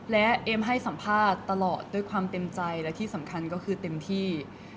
และเอมให้สัมภาษณ์ตลอดด้วยความเต็มใจและที่สำคัญก็คือเต็มที่